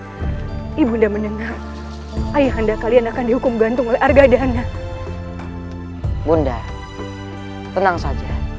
hai ibu dan menengah ayah anda kalian akan dihukum gantung oleh argadana bunda tenang saja